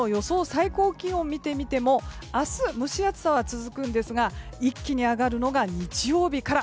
最高気温を見てみても明日、蒸し暑さは続くんですが一気に上がるのが日曜日から。